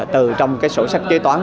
từ trong cái sổ sách kế toán